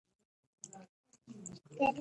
له مطالعې پرته وده سخته ده